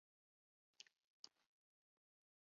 山棕为棕榈科桄榔属下的一个种。